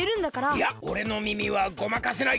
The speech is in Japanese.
いやおれのみみはごまかせない！